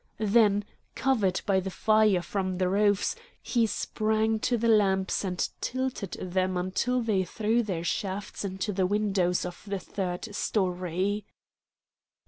Then, covered by the fire from the roofs, he sprang to the lamps and tilted them until they threw their shafts into the windows of the third story.